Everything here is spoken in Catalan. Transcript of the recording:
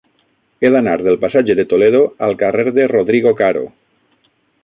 He d'anar del passatge de Toledo al carrer de Rodrigo Caro.